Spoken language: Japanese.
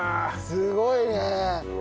すごいね！